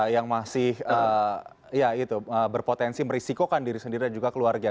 yang masih ya itu berpotensi merisikokan diri sendiri dan juga keluarga